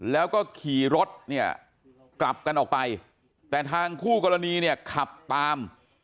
แล้วก็ขี่รถเนี่ยกลับกันออกไปแต่ทางคู่กรณีเนี่ยขับตาม